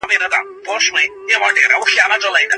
مالی سرچینې برابرول د کورنۍ د پلار مسؤلیت دی.